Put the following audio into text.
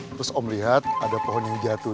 terus om lihat ada pohon yang jatuh